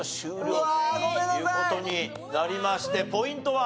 うわごめんなさい！という事になりましてポイントは？